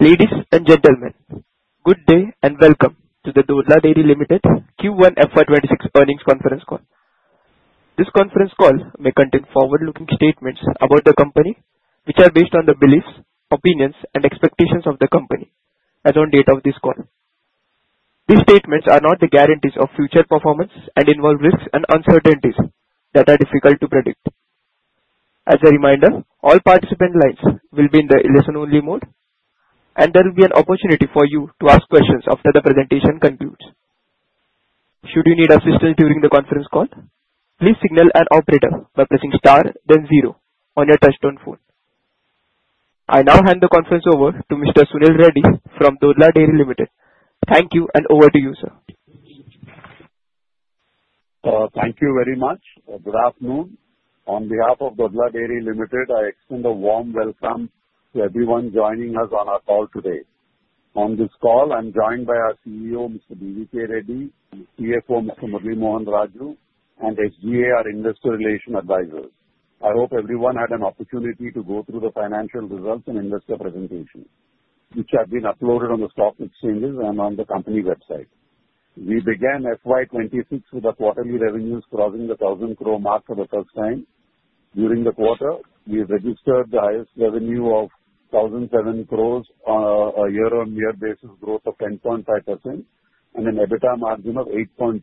Ladies and gentlemen, good day and welcome to the Dodla Dairy Limited Q1 FY26 earnings conference call. This conference call may contain forward-looking statements about the company, which are based on the beliefs, opinions, and expectations of the company as on date of this call. These statements are not the guarantees of future performance and involve risks and uncertainties that are difficult to predict. As a reminder, all participant lines will be in the listen-only mode, and there will be an opportunity for you to ask questions after the presentation concludes. Should you need assistance during the conference call, please signal an operator by pressing star, then zero on your touch-tone phone. I now hand the conference over to Mr. Sunil Reddy from Dodla Dairy Limited. Thank you, and over to you, sir. Thank you very much. Good afternoon. On behalf of Dodla Dairy Limited, I extend a warm welcome to everyone joining us on our call today. On this call, I'm joined by our CEO, Mr. B.V.K. Reddy, CFO, Mr. Murali Mohan Raju, and SGA, our investor relations advisors. I hope everyone had an opportunity to go through the financial results and investor presentations, which have been uploaded on the stock exchanges and on the company website. We began FY26 with quarterly revenues crossing the 1,000 crore mark for the first time. During the quarter, we registered the highest revenue of 1,007 crores on a year-on-year basis, a growth of 10.5%, and an EBITDA margin of 8.2%,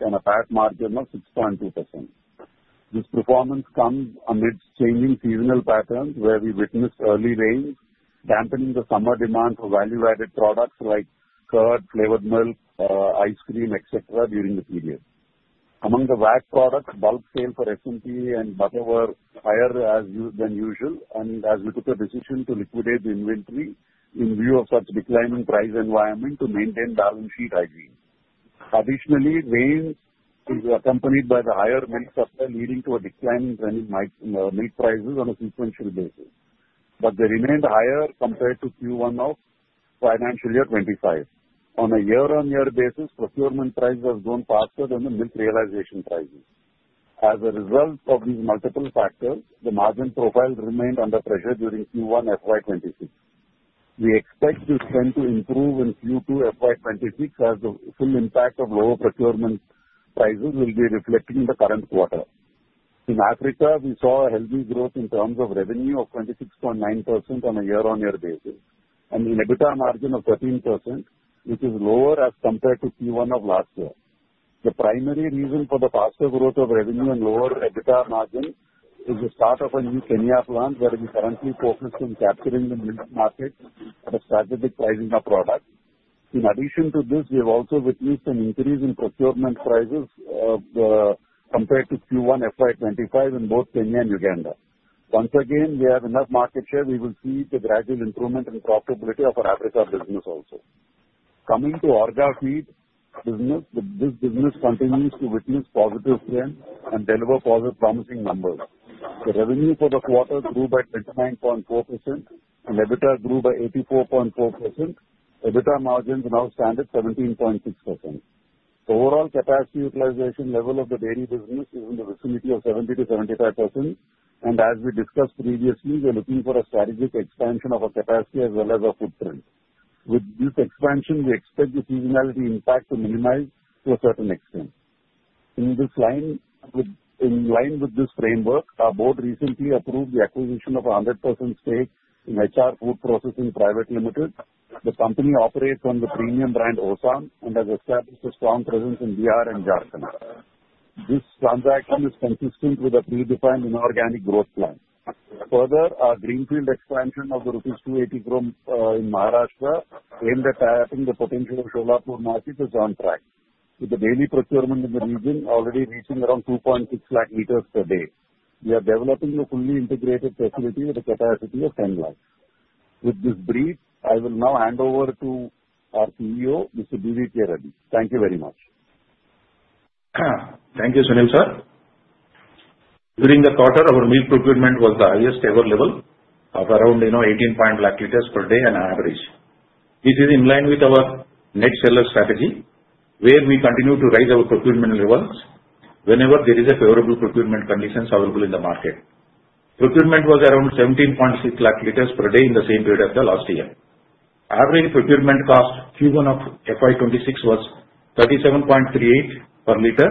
and a PAT margin of 6.2%. This performance comes amidst changing seasonal patterns where we witnessed early rains dampening the summer demand for value-added products like curd, flavored milk, ice cream, etc., during the period. Among the VAP products, bulk sales for S&P and butter were higher than usual, and as we took a decision to liquidate the inventory in view of such declining price environment to maintain balance sheet hygiene. Additionally, rains were accompanied by the higher milk supply, leading to a declining trend in milk prices on a sequential basis. But they remained higher compared to Q1 of financial year 2025. On a year-on-year basis, procurement prices have grown faster than the milk realization prices. As a result of these multiple factors, the margin profile remained under pressure during Q1 FY26. We expect to intend to improve in Q2 FY26 as the full impact of lower procurement prices will be reflected in the current quarter. In Africa, we saw a healthy growth in terms of revenue of 26.9% on a year-on-year basis, and an EBITDA margin of 13%, which is lower as compared to Q1 of last year. The primary reason for the faster growth of revenue and lower EBITDA margin is the start of a new Kenya plant where we currently focus on capturing the milk market at a strategic pricing of products. In addition to this, we have also witnessed an increase in procurement prices compared to Q1 FY25 in both Kenya and Uganda. Once again, we have enough market share. We will see the gradual improvement in profitability of our Africa business also. Coming to Orgafeed business, this business continues to witness positive trends and deliver promising numbers. The revenue for the quarter grew by 29.4%, and EBITDA grew by 84.4%. EBITDA margins now stand at 17.6%. Overall capacity utilization level of the dairy business is in the vicinity of 70%-75%, and as we discussed previously, we are looking for a strategic expansion of our capacity as well as our footprint. With this expansion, we expect the seasonality impact to minimize to a certain extent. In line with this framework, our board recently approved the acquisition of a 100% stake in HR Food Processing Private Limited. The company operates under the premium brand Osam and has established a strong presence in Bihar and Jharkhand. This transaction is consistent with a predefined inorganic growth plan. Further, our greenfield expansion of the rupees 280 crore in Maharashtra, aimed at tapping the potential of Solapur market, is on track, with the daily procurement in the region already reaching around 2.6 lakh liters per day. We are developing a fully integrated facility with a capacity of 10 lakhs. With this brief, I will now hand over to our Chief Executive Officer, Mr. B.V.K. Reddy. Thank you very much. Thank you, Sunil sir. During the quarter, our milk procurement was the highest ever level of around 18.5 liters per day on average. This is in line with our net seller strategy, where we continue to raise our procurement levels whenever there are favorable procurement conditions available in the market. Procurement was around 17.6 lakh liters per day in the same period as the last year. Average procurement cost Q1 of FY26 was 37.38 per liter,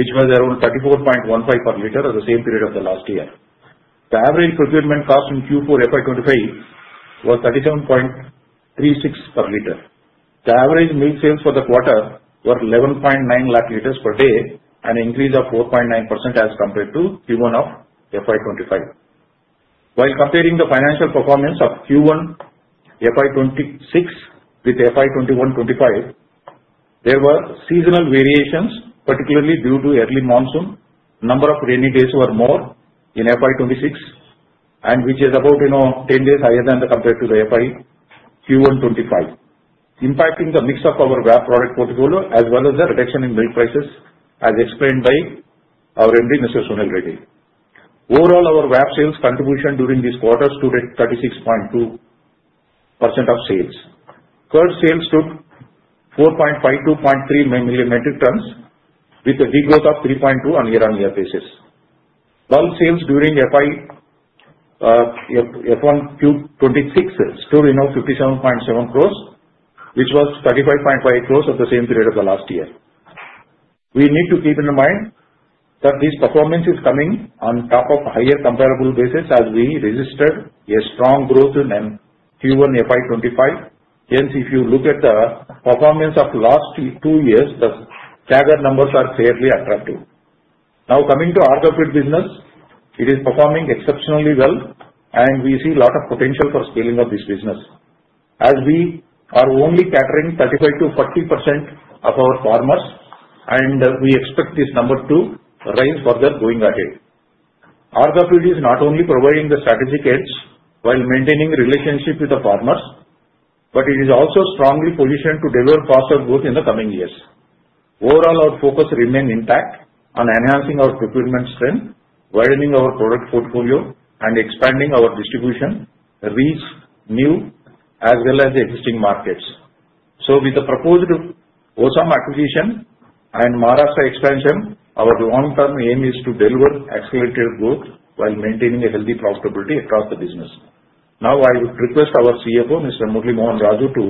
which was around 34.15 per liter at the same period of the last year. The average procurement cost in Q4 FY25 was 37.36 per liter. The average milk sales for the quarter were 11.9 lakh liters per day, an increase of 4.9% as compared to Q1 of FY25. While comparing the financial performance of Q1 FY26 with FY21-25, there were seasonal variations, particularly due to early monsoon. The number of rainy days was more in FY26, which is about 10 days higher than compared to the FY Q1-25, impacting the mix of our VAP product portfolio as well as the reduction in milk prices, as explained by our MD, Mr. Sunil Reddy. Overall, our VAP sales contribution during this quarter stood at 36.2% of sales. Curd sales stood 45.23 million metric tons, with a degrowth of 3.2% on a year-on-year basis. Bulk sales during FY26 stood 57.7 crores, which was 35.5 crores at the same period of the last year. We need to keep in mind that this performance is coming on top of higher comparable bases as we registered a strong growth in Q1 FY25. Hence, if you look at the performance of the last two years, the staggered numbers are fairly attractive. Now, coming to our corporate business, it is performing exceptionally well, and we see a lot of potential for scaling of this business. As we are only catering 35%-40% of our farmers, we expect this number to rise further going ahead. Our corporate is not only providing the strategic edge while maintaining relationships with the farmers, but it is also strongly positioned to deliver faster growth in the coming years. Overall, our focus remains intact on enhancing our procurement strength, widening our product portfolio, and expanding our distribution reach new as well as existing markets. So, with the proposed Osam acquisition and Maharashtra expansion, our long-term aim is to deliver accelerated growth while maintaining a healthy profitability across the business. Now, I would request our CFO, Mr. Murali Mohan Raju, to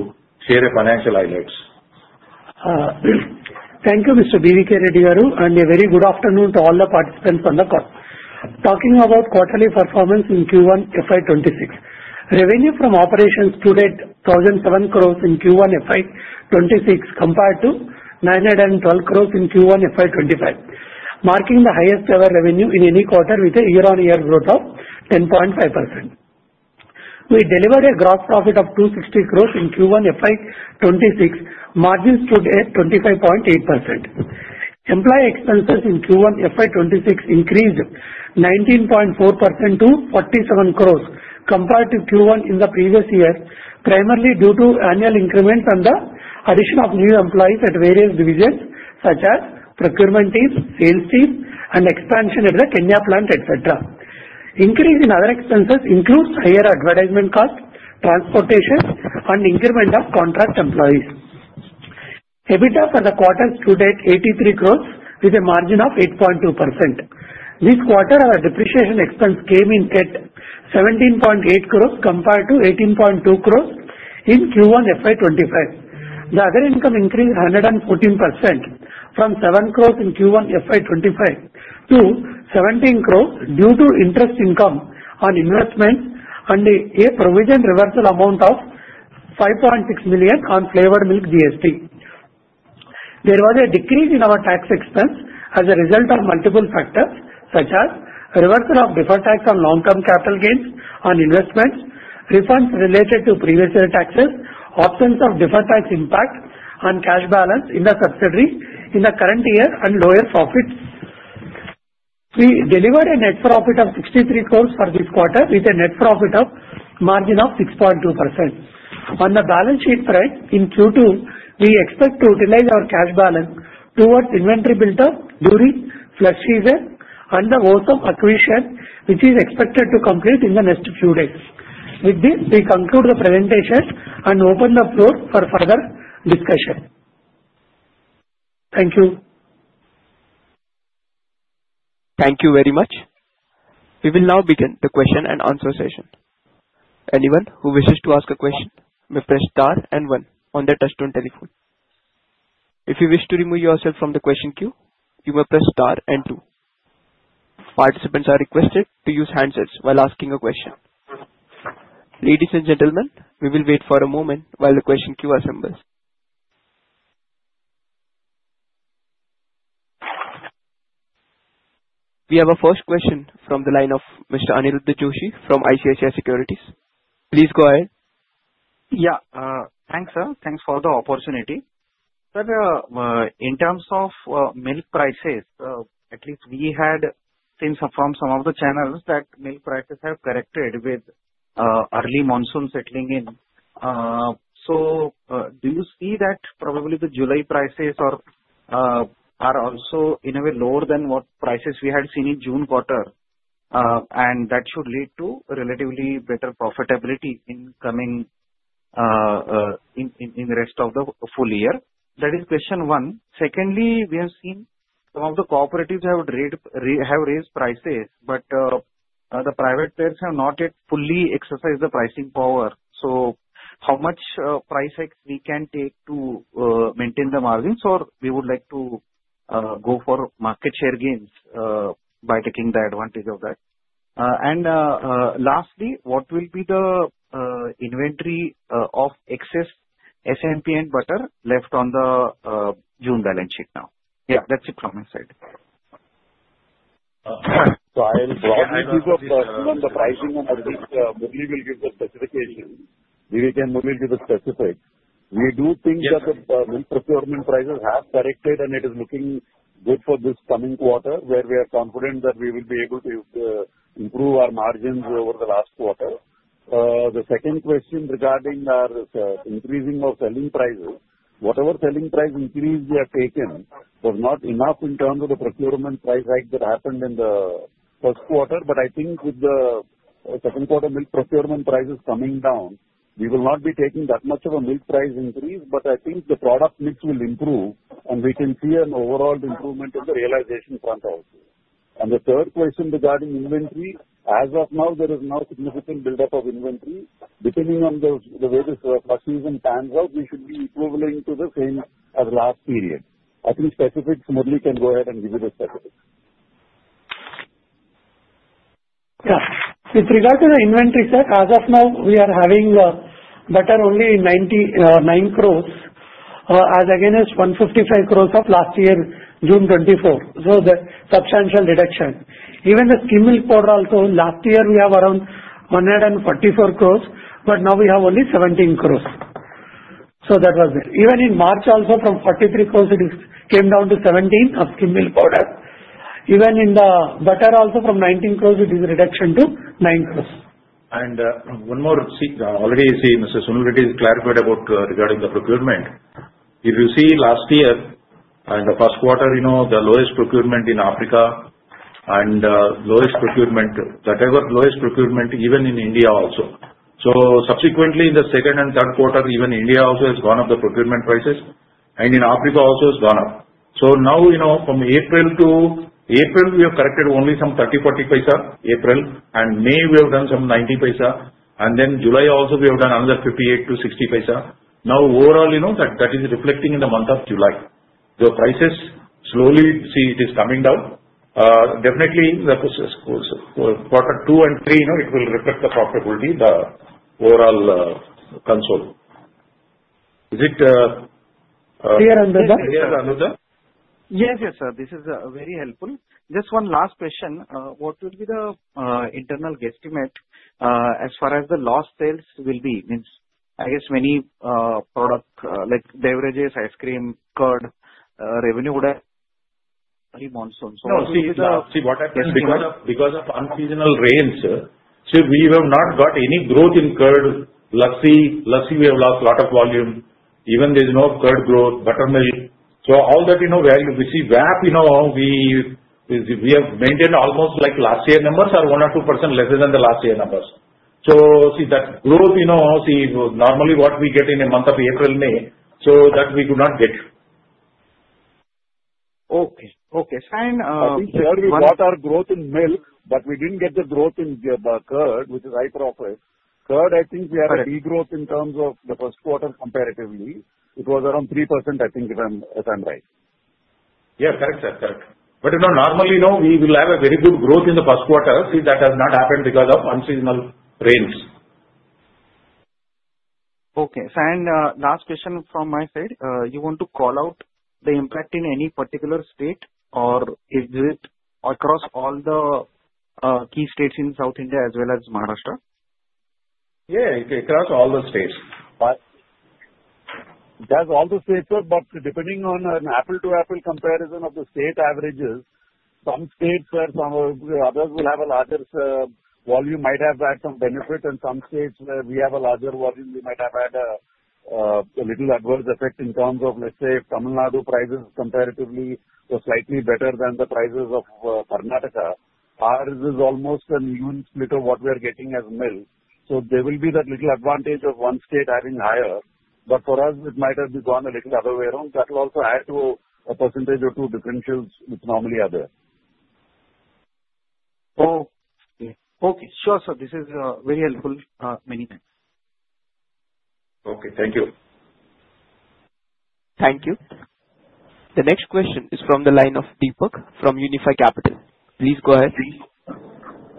share financial highlights. Thank you, Mr. B.V.K. Reddy Garu, and a very good afternoon to all the participants on the call. Talking about quarterly performance in Q1 FY26, revenue from operations stood at 1,007 crores in Q1 FY26 compared to 912 crores in Q1 FY25, marking the highest-ever revenue in any quarter with a year-on-year growth of 10.5%. We delivered a gross profit of 260 crores in Q1 FY26. Margins stood at 25.8%. Employee expenses in Q1 FY26 increased 19.4% to 47 crores compared to Q1 in the previous year, primarily due to annual increments and the addition of new employees at various divisions such as procurement teams, sales teams, and expansion at the Kenya plant, etc. Increase in other expenses includes higher advertisement costs, transportation, and increment of contract employees. EBITDA for the quarter stood at 83 crores with a margin of 8.2%. This quarter, our depreciation expense came in net 17.8 crores compared to 18.2 crores in Q1 FY25. The other income increased 114% from 7 crores in Q1 FY25 to 17 crores due to interest income on investments and a provision reversal amount of 5.6 million on flavored milk GST. There was a decrease in our tax expense as a result of multiple factors such as reversal of deferred tax on long-term capital gains on investments, refunds related to previous year taxes, options of deferred tax impact on cash balance in the subsidiary in the current year, and lower profits. We delivered a net profit of 63 crores for this quarter with a net profit margin of 6.2%. On the balance sheet front in Q2, we expect to utilize our cash balance towards inventory build-up during flush season and the Osam acquisition, which is expected to complete in the next few days. With this, we conclude the presentation and open the floor for further discussion. Thank you. Thank you very much. We will now begin the question and answer session. Anyone who wishes to ask a question may press star and one on their touch-tone telephone. If you wish to remove yourself from the question queue, you may press star and two. Participants are requested to use handsets while asking a question. Ladies and gentlemen, we will wait for a moment while the question queue assembles. We have a first question from the line of Mr. Aniruddha Joshi from ICICI Securities. Please go ahead. Yeah, thanks, sir. Thanks for the opportunity. Sir, in terms of milk prices, at least we had seen from some of the channels that milk prices have corrected with early monsoon settling in. So, do you see that probably the July prices are also in a way lower than what prices we had seen in June quarter, and that should lead to relatively better profitability in the rest of the full year? That is question one. Secondly, we have seen some of the cooperatives have raised prices, but the private players have not yet fully exercised the pricing power. So, how much price hike can we take to maintain the margins? Or we would like to go for market share gains by taking the advantage of that? And lastly, what will be the inventory of excess S&P and butter left on the June balance sheet now? Yeah, that's it from my side. I'll broadly give you a first look at the pricing, and as Murali will give the specification, B.V.K. and Murali will give the specifics. We do think that the milk procurement prices have corrected, and it is looking good for this coming quarter, where we are confident that we will be able to improve our margins over the last quarter. The second question regarding our increasing of selling prices, whatever selling price increase we have taken was not enough in terms of the procurement price hike that happened in the first quarter. But I think with the second quarter milk procurement prices coming down, we will not be taking that much of a milk price increase, but I think the product mix will improve, and we can see an overall improvement in the realization front also. The third question regarding inventory: as of now, there is no significant build-up of inventory. Depending on the way the flush season pans out, we should be equivalent to the same as last period. I think. Specifics: Murali can go ahead and give you the specifics. Yeah, with regard to the inventory, sir, as of now, we are having butter only 99 crores, as against 155 crores of last year, June 2024. So, the substantial reduction. Even the skimmed milk powder also, last year we have around 144 crores, but now we have only 17 crores. So that was it. Even in March also, from 43 crores, it came down to 17 crores of skimmed milk powder. Even in the butter also, from 19 crores, it is a reduction to 9 crores. One more, already you see, Mr. Sunil Reddy has clarified about regarding the procurement. If you see last year and the first quarter, the lowest procurement in Africa, and lowest procurement, whatever lowest procurement, even in India also. So, subsequently, in the second and third quarter, even India also has gone up the procurement prices, and in Africa also has gone up. So now, from April to April, we have corrected only some 0.30-0.40 in April, and May we have done some 0.90, and then July also we have done another 0.58-0.60. Now, overall, that is reflecting in the month of July. The prices slowly, see, it is coming down. Definitely, quarter two and three, it will reflect the profitability, the overall consolidated. Is it clear, Aniruddha? Yes, yes, sir. This is very helpful. Just one last question. What will be the internal guesstimate as far as the lost sales will be? I guess many products like beverages, ice cream, curd, revenue would have very monsoon. No, see, because of unseasonal rains, sir, we have not got any growth in curd. Luckily, we have lost a lot of volume. Even there is no curd growth, buttermilk. So all that, you know, where you see VAP, we have maintained almost like last year numbers are 1% or 2% lesser than the last year numbers. See, that growth, you know, normally what we get in a month of April, May. So that we could not get. Okay, okay. We thought we got our growth in milk, but we didn't get the growth in curd, which is high profile. Curd, I think we had a degrowth in terms of the first quarter comparatively. It was around 3%, I think, if I'm right. Yes, correct, sir, correct, but normally, we will have a very good growth in the first quarter. See, that has not happened because of unseasonal rains. Okay, and last question from my side. You want to call out the impact in any particular state, or is it across all the key states in South India as well as Maharashtra? Yeah, it's across all the states. That's all the states, sir, but depending on an apple-to-apple comparison of the state averages, some states where some of the others will have a larger volume might have had some benefit, and some states where we have a larger volume, we might have had a little adverse effect in terms of, let's say, Tamil Nadu prices comparatively were slightly better than the prices of Karnataka. Ours is almost an even split of what we are getting as milk. So there will be that little advantage of one state having higher, but for us, it might have gone a little other way around. That will also add to a percentage or two differentials which normally are there. Okay, sure, sir. This is very helpful. Many thanks. Okay, thank you. Thank you. The next question is from the line of Deepak from Unifi Capital. Please go ahead.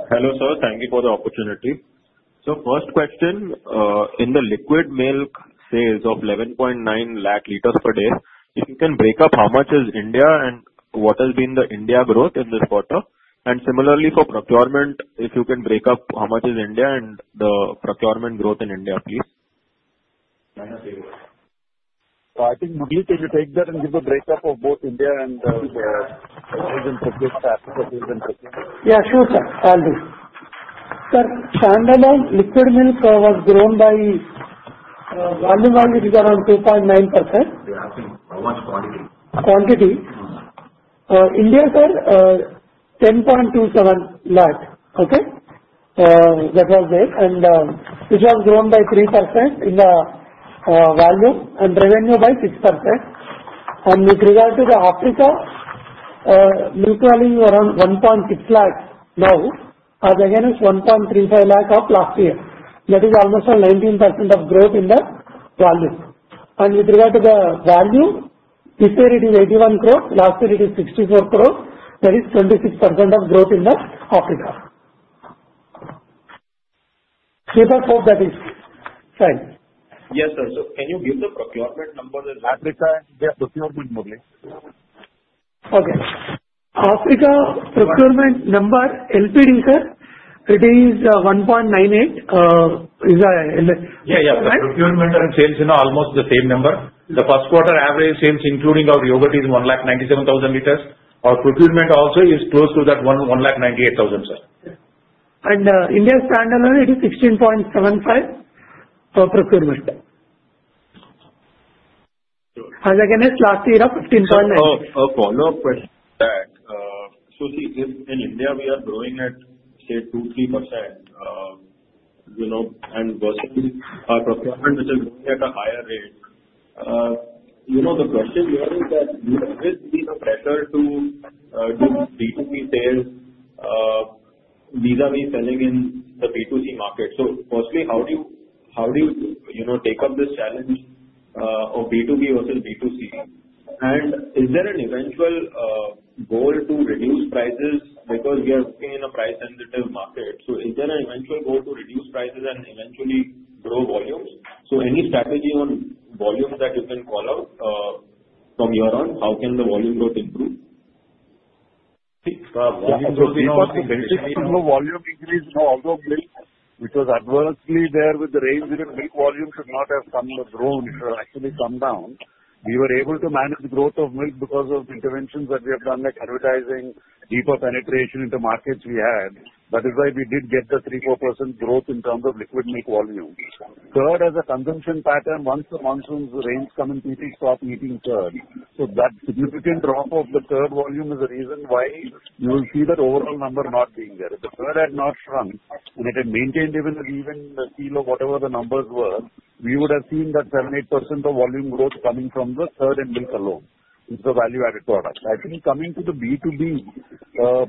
Hello, sir. Thank you for the opportunity. So first question, in the liquid milk sales of 11.9 lakh liters per day, if you can break up how much is India and what has been the India growth in this quarter? And similarly for procurement, if you can break up how much is India and the procurement growth in India, please. I think Murali, can you take that and give a break-up of both India and the sales and procurement? Yeah, sure, sir. I'll do. Sir, Tamil Nadu liquid milk growth by volume was around 2.9%. Yeah, I think how much quantity? Quantity? Yeah. India, sir, 10.27 lakh. Okay? That was there, and which was grown by 3% in the volume and revenue by 6%. And with regard to Africa, milk volume is around 1.6 lakh now, as against 1.35 lakh of last year. That is almost 19% growth in the volume. And with regard to the value, this year it is 81 crores, last year it is 64 crores. That is 26% growth in Africa. Deepak, hope that is fine. Yes, sir. So can you give the procurement number? Africa, procurement, Murali? Okay. Africa procurement number, LPD, sir, it is 1.98. Yeah, yeah. Procurement and sales are almost the same number. The first quarter average sales, including our yogurt, is 197,000 liters. Our procurement also is close to that 198,000, sir. India's standalone, it is INR 16.75 for procurement. As against last year, INR 15.95. A follow-up question to that. So, see, if in India we are growing at, say, 2-3%, and versus our procurement, which is growing at a higher rate, the question here is that there will be no pressure to do B2B sales. These are we selling in the B2C market. So firstly, how do you take up this challenge of B2B versus B2C? And is there an eventual goal to reduce prices? Because we are working in a price-sensitive market. So is there an eventual goal to reduce prices and eventually grow volumes? So any strategy on volume that you can call out from your end, how can the volume growth improve? Volume growth is not the basis. Volume increase of milk, which was adversely there with the rains, milk volume should not have come grown, should have actually come down. We were able to manage the growth of milk because of interventions that we have done, like advertising, deeper penetration into markets we had. That is why we did get the 3%-4% growth in terms of liquid milk volume. Curd as a consumption pattern, once the monsoon rains come in, people stop eating curd. So that significant drop of the curd volume is the reason why you will see that overall number not being there. If the curd had not shrunk and it had maintained even the feel of whatever the numbers were, we would have seen that 7%-8% of volume growth coming from the curd and milk alone is the value-added product. I think coming to the B2B,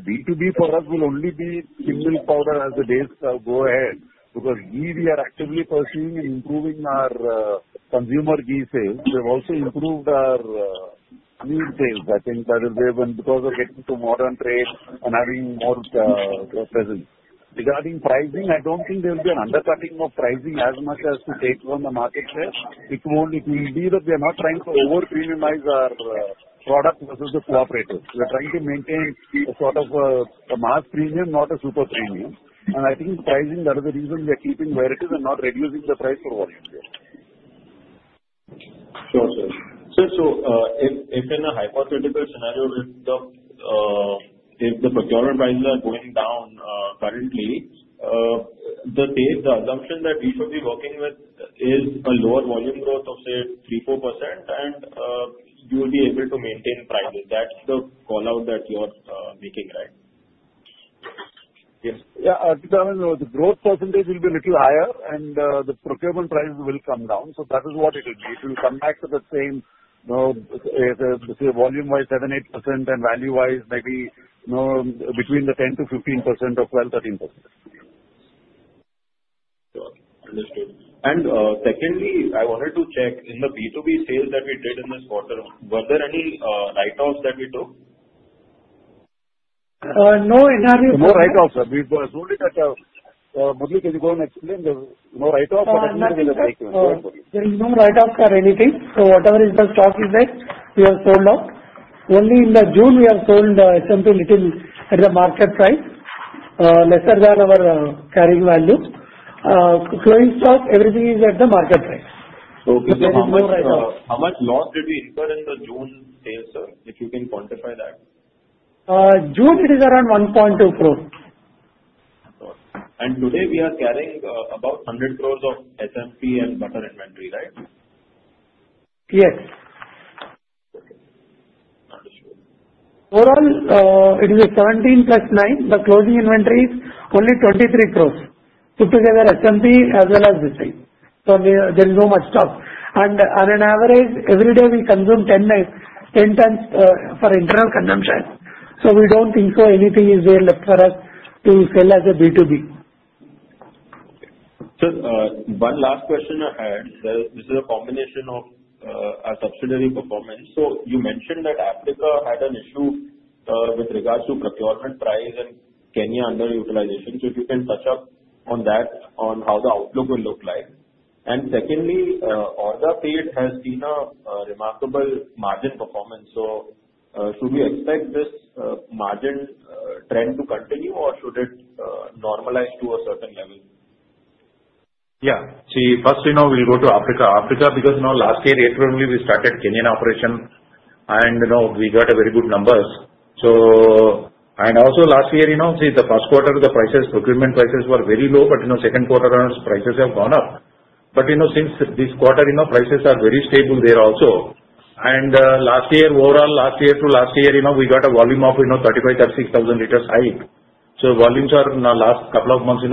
B2B for us will only be skim milk powder as the days go ahead. Because we are actively pursuing and improving our consumer key sales. We have also improved our milk sales, I think, because of getting to modern trade and having more presence. Regarding pricing, I don't think there will be an undercutting of pricing as much as to take on the market share. It will be that we are not trying to over-premiumize our product versus the cooperatives. We are trying to maintain a sort of a mass premium, not a super premium, and I think pricing, that is the reason we are keeping where it is and not reducing the price for volume there. Sure, sir. Sir, so if in a hypothetical scenario, if the procurement prices are going down currently, the assumption that we should be working with is a lower volume growth of, say, 3%-4%, and you will be able to maintain prices. That's the callout that you're making, right? Yeah, the growth percentage will be a little higher, and the procurement prices will come down. So that is what it will be. It will come back to the same, let's say, volume-wise, 7%-8%, and value-wise, maybe between the 10% to 15% or 12%-13%. Sure. Understood. And secondly, I wanted to check in the B2B sales that we did in this quarter, were there any write-offs that we took? No write-offs. No write-offs. No write-offs. There is no write-offs or anything? There is no write-offs or anything. So whatever is the stock is there, we have sold off. Only in the June, we have sold S&P and little at the market price, lesser than our carrying value. Current stock, everything is at the market price. Okay. There is no write-offs. How much loss did we incur in the June sales, sir, if you can quantify that? June, it is around 1.2 crores. Today, we are carrying about 100 crores of S&P and butter inventory, right? Yes. Okay. Understood. Overall, it is 17 plus nine, but closing inventory is only 23 crores. Put together S&P as well as this side. So there is not much stock. And on an average, every day we consume 10 times for internal consumption. So we don't think there's anything left for us to sell as a B2B. Sir, one last question I had. This is a combination of our subsidiary performance. So you mentioned that Africa had an issue with regards to procurement price and Kenya underutilization. So if you can touch upon that, on how the outlook will look like. And secondly, Orgafeed has seen a remarkable margin performance. So should we expect this margin trend to continue, or should it normalize to a certain level? Yeah. See, first, we'll go to Africa. Africa, because last year, April only, we started Kenya operation, and we got very good numbers. And also last year, see, the first quarter, the prices, procurement prices were very low, but second quarter prices have gone up. But since this quarter, prices are very stable there also. And last year, overall, last year to last year, we got a volume of 35-36,000 liters high. So volumes are now last couple of months,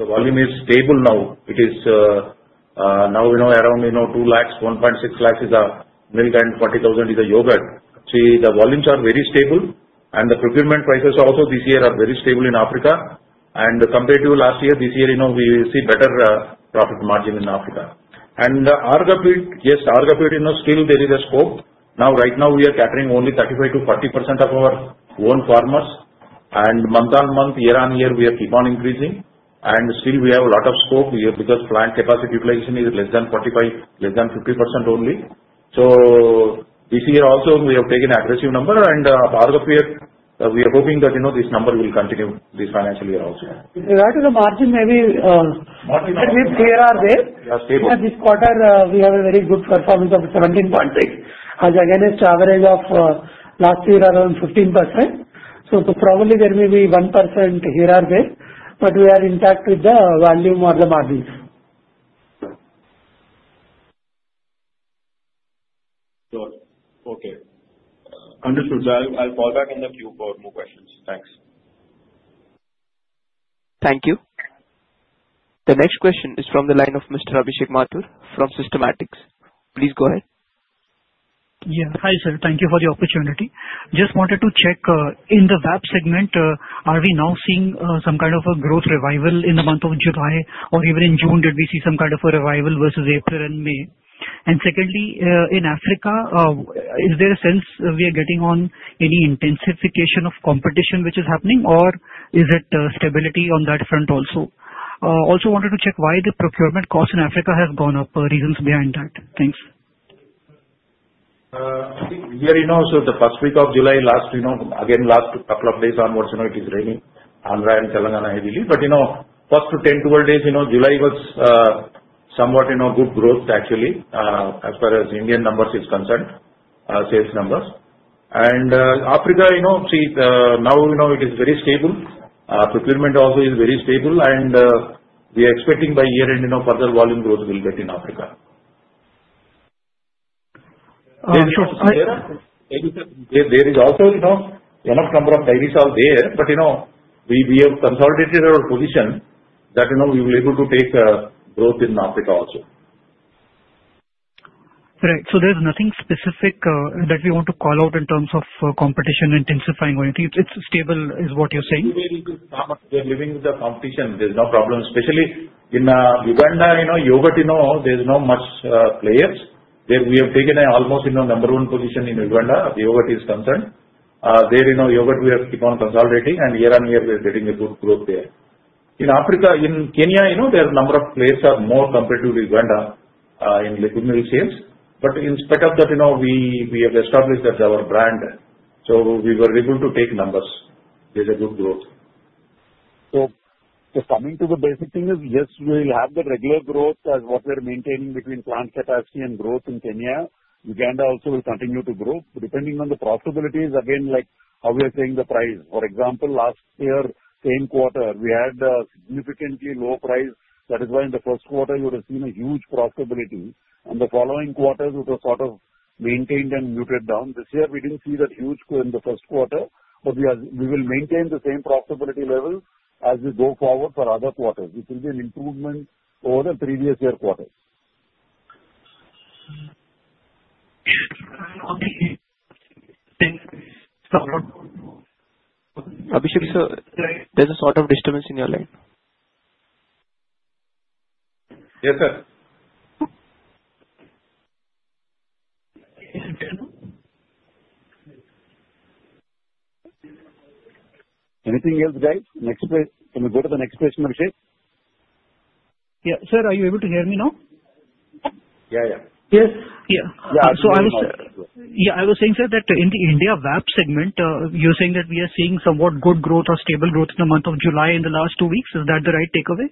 the volume is stable now. It is now around 2 lakhs, 1.6 lakhs is milk, and 40,000 is yogurt. See, the volumes are very stable, and the procurement prices also this year are very stable in Africa. And compared to last year, this year, we will see better profit margin in Africa. And Orgafeed, yes, Orgafeed, still there is a scope. Now, right now, we are catering only 35%-40% of our own farmers. And month on month, year on year, we are keep on increasing. And still, we have a lot of scope because plant capacity utilization is less than 45%, less than 50% only. So this year also, we have taken aggressive number, and Orgafeed, we are hoping that this number will continue this financial year also. Regarding the margin, maybe a bit clearer there. Yeah, stable. This quarter, we have a very good performance of 17.6%, as against average of last year around 15%. So probably there may be 1% here or there, but we are intact with the volume or the margins. Sure. Okay. Understood. I'll call back on the queue for more questions. Thanks. Thank you. The next question is from the line of Mr. Abhishek Mathur from Systematix. Please go ahead. Yeah. Hi, sir. Thank you for the opportunity. Just wanted to check in the VAP segment, are we now seeing some kind of a growth revival in the month of July or even in June? Did we see some kind of a revival versus April and May? And secondly, in Africa, is there a sense we are getting on any intensification of competition which is happening, or is it stability on that front also? Also wanted to check why the procurement cost in Africa has gone up, reasons behind that. Thanks. I think here also the first week of July last, again, last couple of days onwards, it is raining, Andhra and Telangana heavily. But first 10-12 days, July was somewhat good growth actually as far as Indian numbers is concerned, sales numbers. And Africa, see, now it is very stable. Procurement also is very stable, and we are expecting by year-end further volume growth will get in Africa. There is also. There is also enough number of dairies out there, but we have consolidated our position that we will be able to take growth in Africa also. Right. So there's nothing specific that we want to call out in terms of competition intensifying or anything. It's stable is what you're saying? We are living with the competition. There's no problem. Especially in Uganda, yogurt, there's not many players. We have taken almost number one position in Uganda as far as yogurt is concerned. There, yogurt we have to keep on consolidating, and year on year, we are getting a good growth there. In Africa, in Kenya, there are a number of players, more compared to Uganda in liquid milk sales. But in spite of that, we have established our brand. So we were able to take numbers. There's a good growth. So, coming to the basic thing is, yes, we will have the regular growth as what we are maintaining between plant capacity and growth in Kenya. Uganda also will continue to grow. Depending on the profitabilities, again, like how we are seeing the price. For example, last year, same quarter, we had a significantly low price. That is why in the first quarter, you would have seen a huge profitability. And the following quarters, it was sort of maintained and muted down. This year, we didn't see that huge in the first quarter, but we will maintain the same profitability level as we go forward for other quarters, which will be an improvement over the previous year quarter. Abhishek, sir, there's a sort of disturbance in your line. Yes, sir. Anything else, guys? Can we go to the next question, Abhishek? Yeah. Sir, are you able to hear me now? Yeah, yeah. Yes. So I was saying, sir, that in the India VAP segment, you're saying that we are seeing somewhat good growth or stable growth in the month of July in the last two weeks. Is that the right takeaway?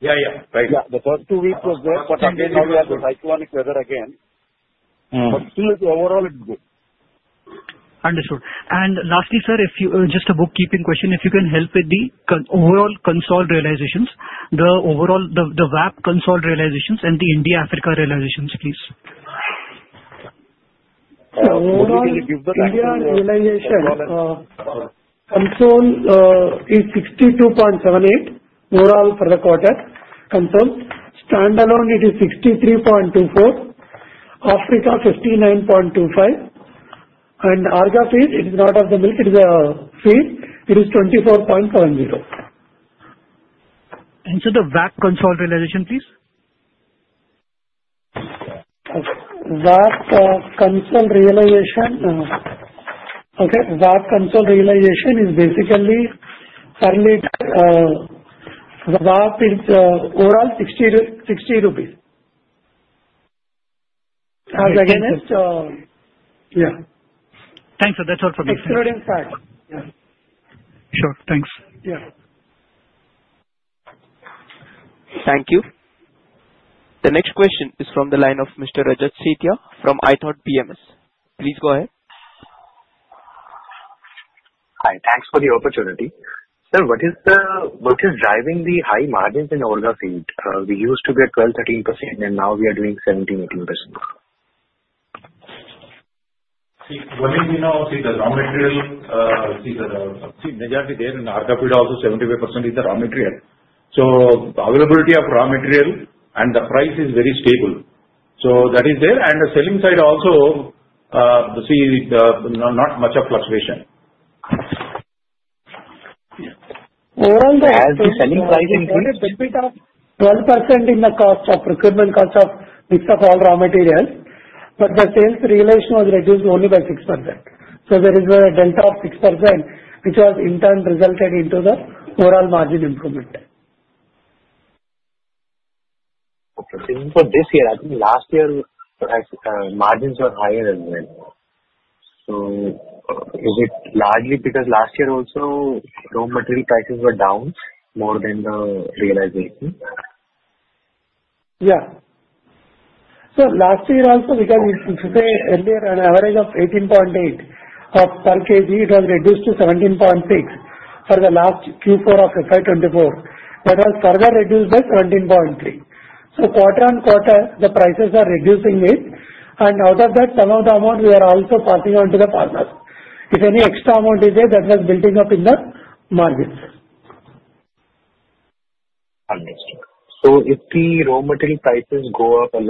Yeah, yeah. Right. Yeah. The first two weeks was there, but again, now we have the cyclonic weather again. But still, overall, it's good. Understood. And lastly, sir, just a bookkeeping question. If you can help with the overall cost realizations, the VAP cost realizations and the India-Africa realizations, please. India realization consolidated is 62.78 overall for the quarter consolidated. Standalone, it is 63.24. Africa, 59.25. And Orgafeed, it is not off the milk. It is a fee. It is 24.70. Sir, the VAP contribution realization, please. VAP contribution realization. Okay. VAP contribution realization is basically currently VAP is overall INR 60. And again, yeah. Thanks, sir. That's all from me. Excluding VAP. Yeah. Sure. Thanks. Yeah. Thank you. The next question is from the line of Mr. Rajat Sethia from ithoughtPMS. Please go ahead. Hi. Thanks for the opportunity. Sir, what is driving the high margins in Orgafeed? We used to be at 12-13%, and now we are doing 17-18%. See, the raw material. See, the majority there in Orgafeed also, 75% is the raw material. So availability of raw material and the price is very stable. So that is there. And the selling side also, see, not much of fluctuation. As the selling price included, there's a bit of 12% in the cost of procurement, cost of mix of all raw materials. But the sales realization was reduced only by 6%. So there is a delta of 6%, which has in turn resulted into the overall margin improvement. Okay. For this year, I think last year margins were higher as well. So is it largely because last year also raw material prices were down more than the realization? Yeah. So last year also, because it's the same earlier, an average of 18.8 per kg, it was reduced to 17.6 for the last Q4 of FY24. That was further reduced by 17.3. So quarter on quarter, the prices are reducing it. And out of that, some of the amount, we are also passing on to the farmers. If any extra amount is there, that was building up in the margins. Understood. So if the raw material prices go up a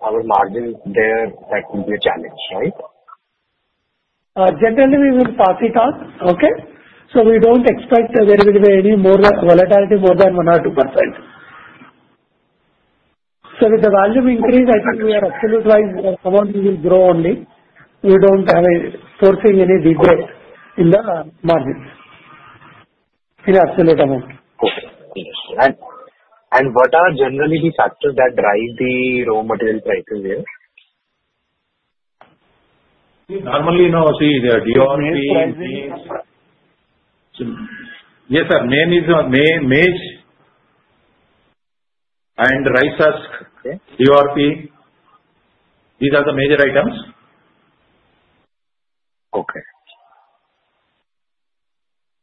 lot, our margins there, that will be a challenge, right? Generally, we will pass it on. Okay. So we don't expect there will be any more volatility more than 1% or 2%. So with the value increase, I think we are absolute-wise, the amount we will grow only. We don't have forcing any regress in the margins in absolute amount. Okay. Understood. And what are generally the factors that drive the raw material prices here? Normally, see, DRP. Main prices. Yes, sir. Main is maize and rice husk, DRP. These are the major items. Okay.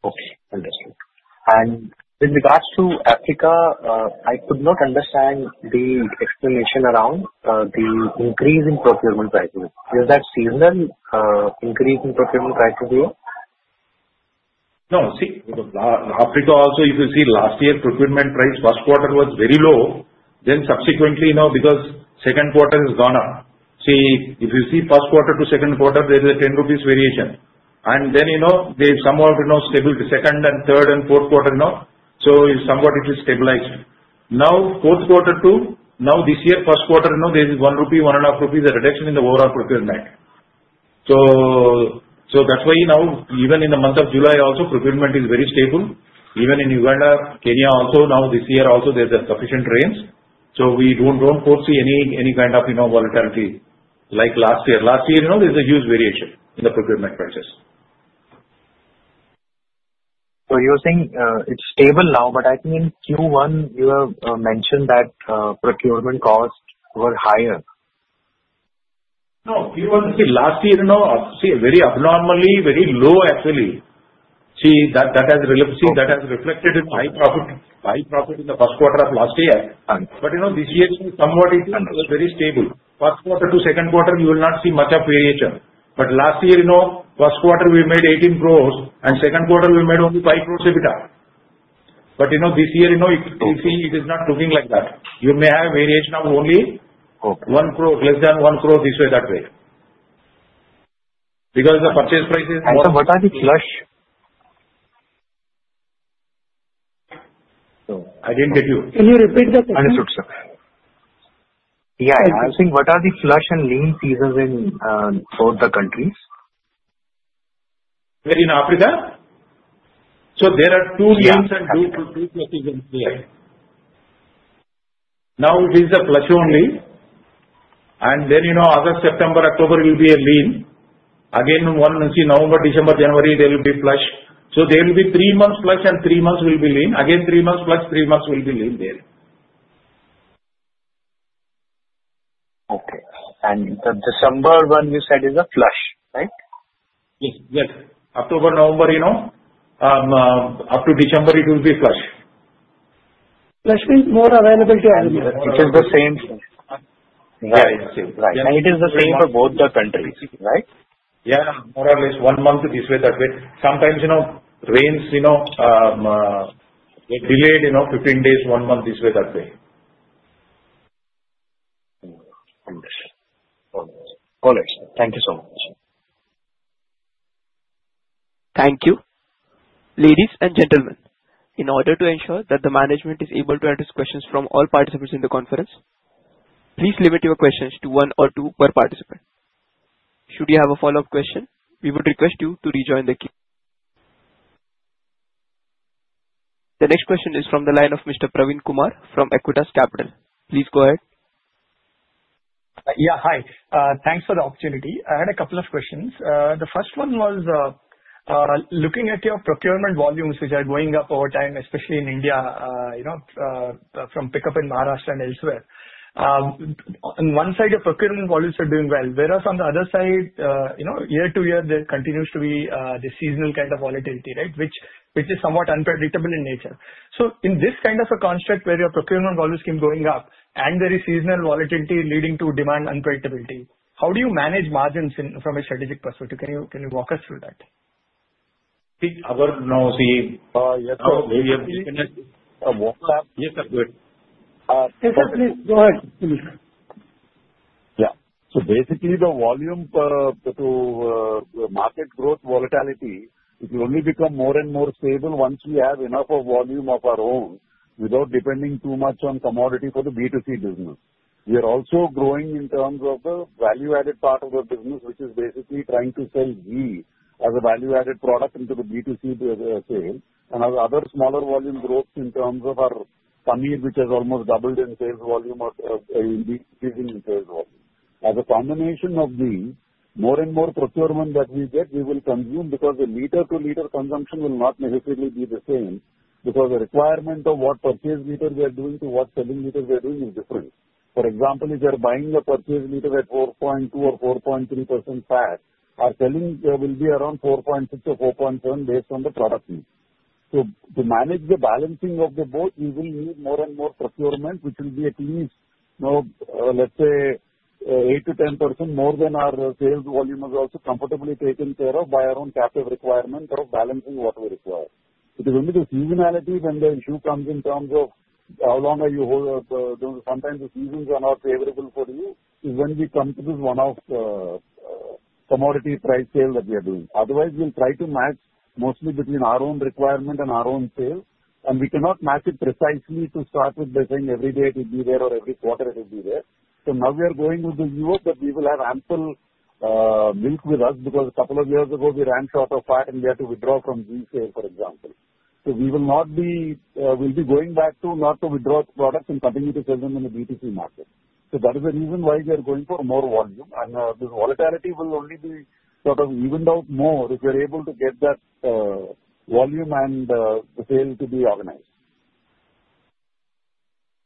Okay. Understood. And with regards to Africa, I could not understand the explanation around the increase in procurement prices. Is that seasonal increase in procurement prices here? No. See, Africa also, if you see, last year procurement price first quarter was very low. Then subsequently, because second quarter has gone up. See, if you see first quarter to second quarter, there is an 10 rupees variation. And then there is somewhat stable second and third and fourth quarter. So somewhat it is stabilized. Now, fourth quarter to now, this year, first quarter, there is 1 rupee, 1.50 rupees reduction in the overall procurement. So that's why now, even in the month of July, also procurement is very stable. Even in Uganda, Kenya also, now this year also, there's a sufficient range. So we don't foresee any kind of volatility like last year. Last year, there's a huge variation in the procurement prices. So you're saying it's stable now, but I think in Q1, you have mentioned that procurement costs were higher. No, Q1. See, last year, see, very abnormally, very low actually. See, that has reflected in high profit in the first quarter of last year. But this year, see, somewhat it is very stable. First quarter to second quarter, you will not see much of variation. But last year, first quarter, we made 18 crores, and second quarter, we made only 5 crores a bit. But this year, it is not looking like that. You may have variation of only one crore, less than one crore this way, that way. Because the purchase price is. Sir, what are the flush? So I didn't get you. Can you repeat that? Understood, sir. Yeah. I was saying, what are the flush and lean seasons in both the countries? There in Africa? There are two seasons and two seasons there. Now, it is the flush only. Then the other September, October will be a lean. Again, you see, November, December, January, there will be flush. There will be three months flush, and three months will be lean. Again, three months flush, three months will be lean there. Okay. And the December one you said is a flush, right? Yes. Yes. October, November, up to December, it will be flush. Flush means more availability as well. It is the same. Right. Right. And it is the same for both the countries, right? Yeah. More or less one month this way, that way. Sometimes rains delayed 15 days, one month this way, that way. Understood. All right. Thank you so much. Thank you. Ladies and gentlemen, in order to ensure that the management is able to address questions from all participants in the conference, please limit your questions to one or two per participant. Should you have a follow-up question, we would request you to rejoin the queue. The next question is from the line of Mr. Praveen Kumar from Equitas Capital. Please go ahead. Yeah. Hi. Thanks for the opportunity. I had a couple of questions. The first one was looking at your procurement volumes, which are going up over time, especially in India from pickup in Maharashtra and elsewhere. On one side, your procurement volumes are doing well, whereas on the other side, year to year, there continues to be the seasonal kind of volatility, right, which is somewhat unpredictable in nature. So in this kind of a construct where your procurement volumes keep going up and there is seasonal volatility leading to demand unpredictability, how do you manage margins from a strategic perspective? Can you walk us through that? See, our now, see. Yes, sir. Yes, sir. Yes, sir. Good. Yes, sir. Please go ahead. Yeah. So basically, the volume to market growth volatility will only become more and more stable once we have enough volume of our own without depending too much on commodity for the B2C business. We are also growing in terms of the value-added part of the business, which is basically trying to sell ghee as a value-added product into the B2C sale. And other smaller volume growth in terms of our paneer, which has almost doubled in sales volume or increasing in sales volume. As a combination of these, more and more procurement that we get, we will consume because the liter-to-liter consumption will not necessarily be the same because the requirement of what purchase per liter we are doing to what selling per liter we are doing is different. For example, if you're buying a purchase meter at 4.2% or 4.3% fat, our selling will be around 4.6% or 4.7% based on the product need. So to manage the balancing of the both, we will need more and more procurement, which will be at least, let's say, 8% to 10% more than our sales volume is also comfortably taken care of by our own captive requirement of balancing what we require. Because when the seasonality, when the issue comes in terms of how long are you hold, sometimes the seasons are not favorable for you, is when we come to this one-off commodity price sale that we are doing. Otherwise, we'll try to match mostly between our own requirement and our own sales. And we cannot match it precisely to start with the same every day it will be there or every quarter it will be there. So now we are going with the view that we will have ample milk with us because a couple of years ago, we ran short of fat and we had to withdraw from ghee sale, for example. So we will not be. We'll be going back to not withdraw products and continue to sell them in the B2C market. So that is the reason why we are going for more volume. And this volatility will only be sort of evened out more if we're able to get that volume and the sale to be organized.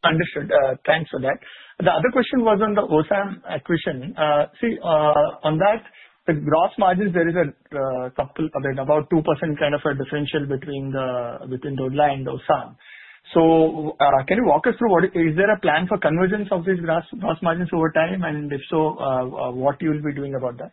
Understood. Thanks for that. The other question was on the Osam acquisition. See, on that, the gross margins, there is a couple of about 2% kind of a differential between Dodla and Osam. So can you walk us through what is there a plan for convergence of these gross margins over time? And if so, what you will be doing about that?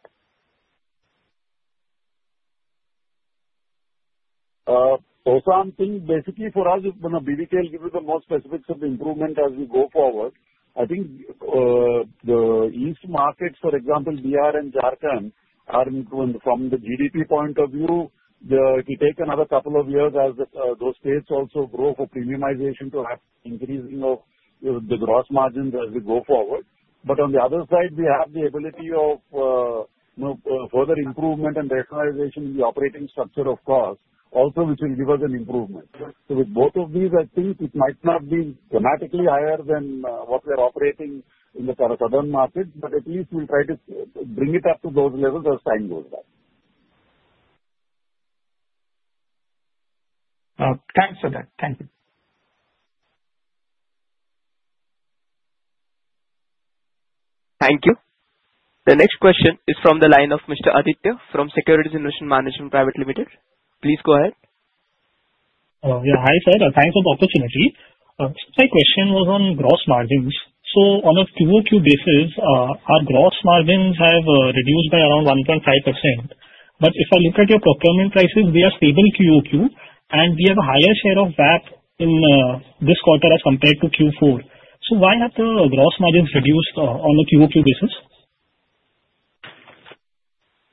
Osam thing, basically for us, BDK will give you the most specifics of the improvement as we go forward. I think the East markets, for example, Bihar and Jharkhand are improving from the GDP point of view. If you take another couple of years as those states also grow for premiumization to have increasing of the gross margins as we go forward, but on the other side, we have the ability of further improvement and rationalization in the operating structure of cost also, which will give us an improvement, so with both of these, I think it might not be dramatically higher than what we are operating in the southern markets, but at least we'll try to bring it up to those levels as time goes by. Thanks for that. Thank you. Thank you. The next question is from the line of Mr. Aditya from Securities Investment Management Private Limited. Please go ahead. Yeah. Hi, sir. Thanks for the opportunity. My question was on gross margins. So on a QOQ basis, our gross margins have reduced by around 1.5%. But if I look at your procurement prices, we are stable QOQ, and we have a higher share of VAP in this quarter as compared to Q4. So why have the gross margins reduced on a QOQ basis?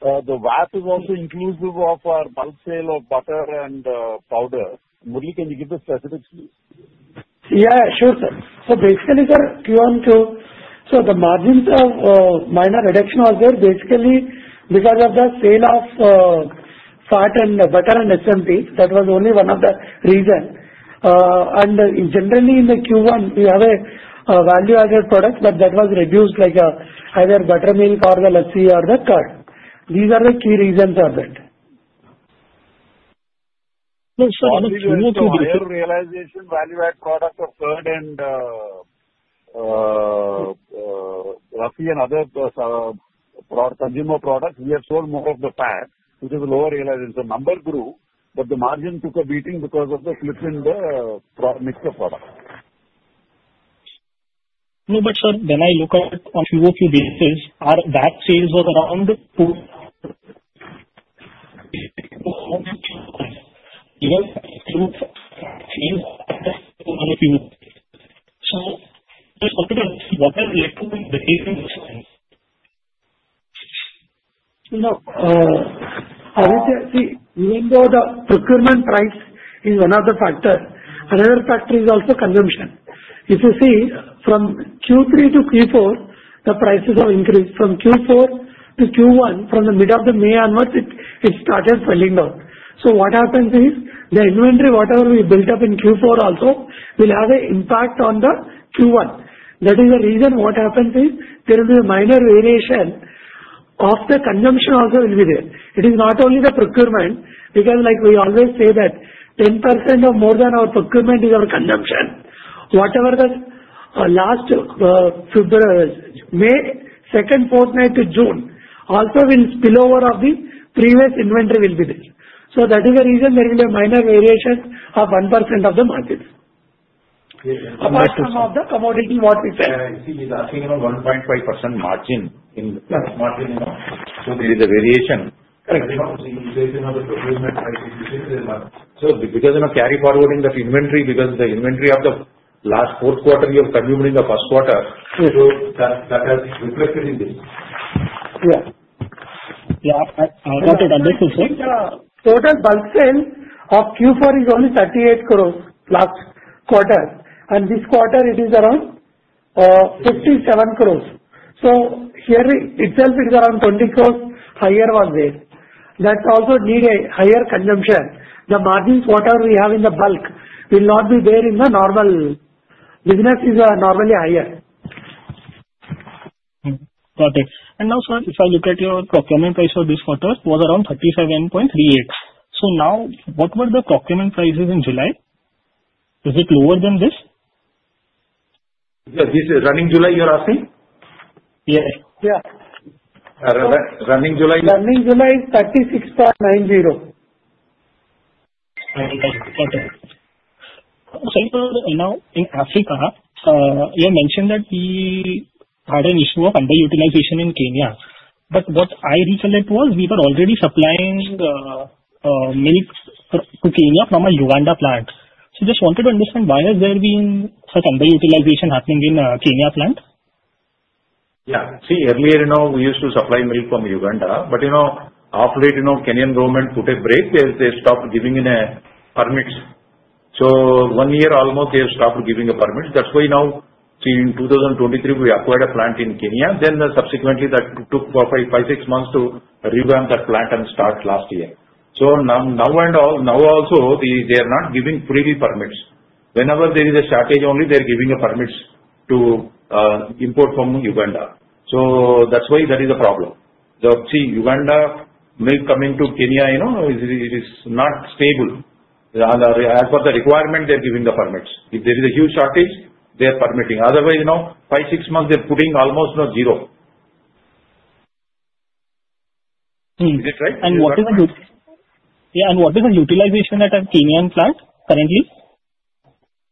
The VAP is also inclusive of our bulk sale of butter and powder. Murali, can you give the specifics? Yeah. Sure, sir. So basically, sir, Q1, Q2, so the margins of minor reduction was there basically because of the sale of fat and butter and SMP. That was only one of the reasons, and generally in the Q1, we have a value-added product, but that was reduced like either buttermilk or the lassi or the curd. These are the key reasons of that. Q2, Q3. We have lower realization, value-added products of curd and lassi and other consumer products. We have sold more of the fat, which is a lower realization, so number grew, but the margin took a beating because of the slip in the mix of products. No, but sir, when I look at on QOQ basis, our VAP sales was around. So what are the key reasons? No. See, even though the procurement price is one of the factors, another factor is also consumption. If you see, from Q3 to Q4, the prices have increased. From Q4 to Q1, from the middle of May onward, it started falling down. So what happens is the inventory, whatever we built up in Q4 also, will have an impact on the Q1. That is the reason what happens is there will be a minor variation of the consumption also will be there. It is not only the procurement because we always say that 10% or more than our procurement is our consumption. Whatever the last May second fortnight to June also will spill over of the previous inventory will be there. So that is the reason there will be a minor variation of 1% of the margins. Yeah. But. Apart from the commodity, what we said. Yeah. He's asking about 1.5% margin in margin. So there is a variation. Correct. You're saying the procurement price increases. So because carrying forward that inventory, because the inventory of the last fourth quarter, you have carried over to the first quarter. So that has reflected in this. Yeah. Yeah. I got it. I understood, sir. Total bulk sales of Q4 is only 38 crores last quarter. And this quarter, it is around 57 crores. So here itself, it's around 20 crores higher was there. That also need a higher consumption. The margins, whatever we have in the bulk, will not be there in the normal business is normally higher. Got it. And now, sir, if I look at your procurement price for this quarter, it was around 37.38. So now, what were the procurement prices in July? Is it lower than this? This is running July, you're asking? Yes. Yeah. Running July. Running July is 36.90. Got it. Now, in Africa, you mentioned that we had an issue of underutilization in Kenya, but what I realized was we were already supplying milk to Kenya from the Uganda plant, so just wanted to understand why has there been such underutilization happening in the Kenya plant? Yeah. See, earlier, we used to supply milk from Uganda. But halfway, the Kenyan government put a brake where they stopped giving import permits. So almost one year, they have stopped giving permits. That's why now, see, in 2023, we acquired a plant in Kenya. Then subsequently, that took five, six months to revamp that plant and start last year. So now also, they are not giving permits freely. Whenever there is a shortage, only they are giving a permit to import from Uganda. So that's why there is a problem. See, Uganda milk coming to Kenya, it is not stable. As per the requirement, they are giving the permits. If there is a huge shortage, they are permitting. Otherwise, five, six months, they are putting almost zero. Is it right? What is the utilization at our Kenya plant currently?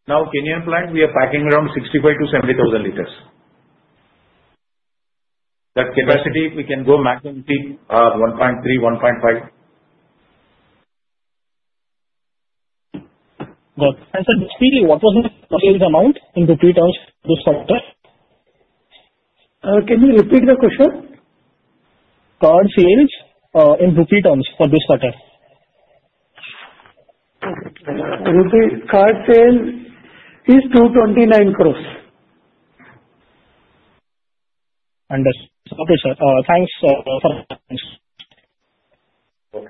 Now, Kenya plant, we are packing around 65,000-70,000 liters. That capacity, we can go maximum 1.3-1.5. Got it. And sir, basically, what was the sales amount in BT terms this quarter? Can you repeat the question? Curd sales in B2B terms for this quarter? Curd sales is INR 229 crores. Understood. Okay, sir. Thanks for the questions. Okay.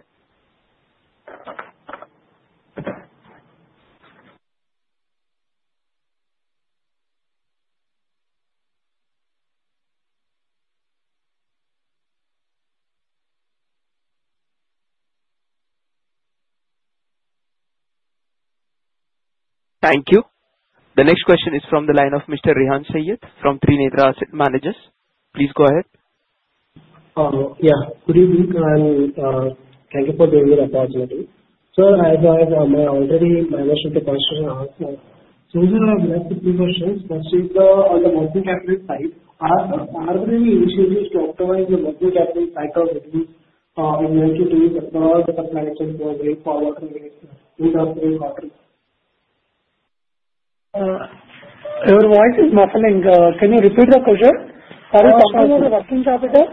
Thank you. The next question is from the line of Mr. Rehan Siayed from Trinetra Asset Managers. Please go ahead. Yeah. Good evening and thank you for the opportunity. Sir, I already have my initial question to ask. So these are our last two questions. But on the working capital side, are there any initiatives to optimize the working capital cycle between inventory, tools across different managers for the dairy industry? Your voice is muffling. Can you repeat the question? Are you talking about the working capital?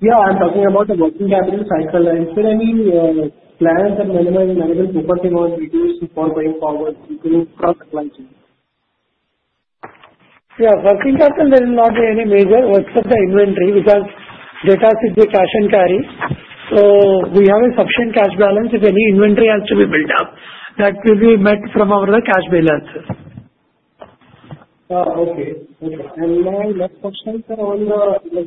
Yeah. I'm talking about the working capital cycle. And is there any plans or management thinking on reducing it going forward to support growth supply chain? Yeah. Working capital, there will not be any major except the inventory because that is cash and carry. So we have a sufficient cash balance if any inventory has to be built up that will be met from our cash balance. Okay. Now, last question, sir, on the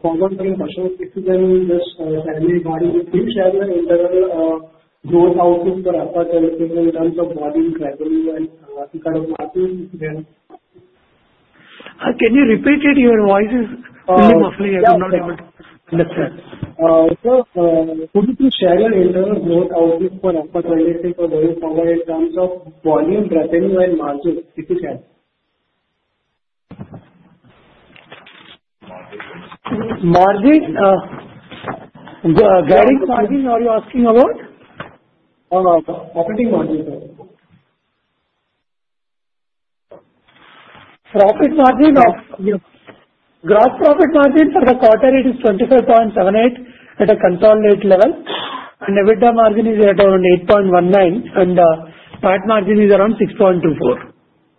forward-looking questions, this is just primary volume. Can you share your internal growth outlook for Dodla Dairy in terms of volume, revenue, and kind of market? Can you repeat it? Your voice is really muffling. I'm not able to. Understood. Sir, could you share your internal growth outlook for Alpha Telecom for going forward in terms of volume, revenue, and margin, if you can? Margin? Gross margin, are you asking about? Profit margin, sir. Gross profit margin for the quarter, it is 25.78% at a controlled rate level. EBITDA margin is at around 8.19%. PAT margin is around 6.24%.